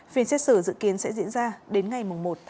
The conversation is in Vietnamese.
phiên xét xử dự kiến sẽ diễn ra đến ngày một tháng